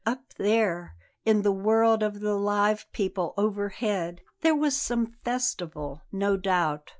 Up there, in the world of the live people overhead, there was some festival, no doubt.